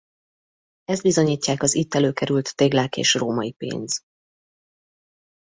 Ezt bizonyítják az itt előkerült téglák és római pénz.